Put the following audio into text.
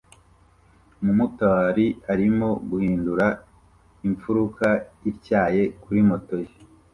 Umumotari arimo guhindura imfuruka ityaye kuri moto ye